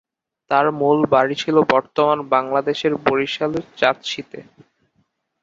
তাঁর মূল বাড়ি ছিলো বর্তমান বাংলাদেশের বরিশালের চাঁদশীতে।